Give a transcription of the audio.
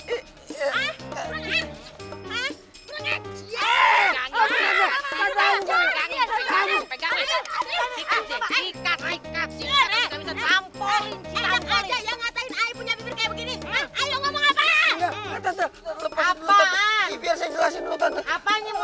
eh jadi maksudnya